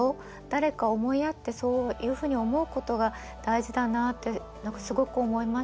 誰か思いやってそういうふうに思うことが大事だなって何かすごく思いました。